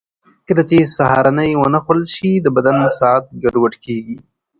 کله چې سهارنۍ ونه خورل شي، د بدن ساعت ګډوډ کېږي.